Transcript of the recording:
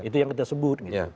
itu yang kita sebut